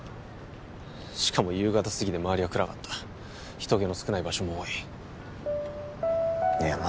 しかも夕方過ぎで周りは暗かった人けの少ない場所も多いいや